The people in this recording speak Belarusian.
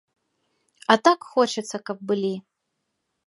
А так хочацца, каб былі!